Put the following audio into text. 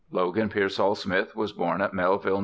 Logan Pearsall Smith was born at Melville, N.